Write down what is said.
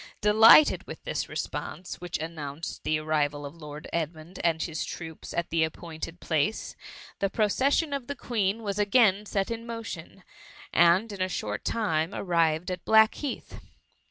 Delighted with, this re sponse, which announced the arrival of Lord Edmund and his troops at the appointed place, the procession of the Queen was again set in motion, and in a short time arrived at Black* heath.